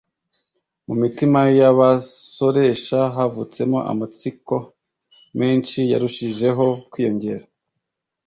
mu mitima y’abasoresha havutsemo amatsiko menshi yarushijeho kwiyongera